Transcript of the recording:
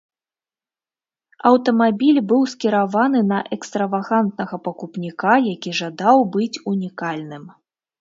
Аўтамабіль быў скіраваны на экстравагантнага пакупніка, які жадаў быць унікальным.